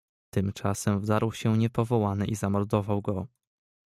"Tymczasem wdarł się niepowołany i zamordował go."